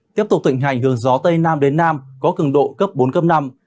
tiếp tục tịnh hành hướng gió tây nam đến nam có cường độ cấp bốn cấp năm